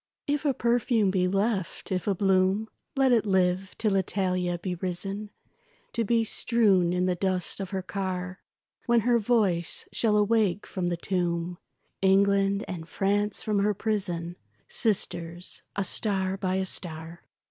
If a perfume be left, if a bloom, Let it live till Italia be risen, To be strewn in the dust of her car When her voice shall awake from the tomb England, and France from her prison, Sisters, a star by a star.